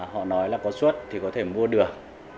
họ nói là có suất thì có thể mua được